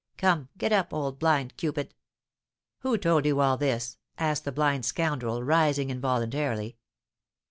Come, get up, old blind Cupid!" "Who told you all this?" asked the blind scoundrel, rising involuntarily.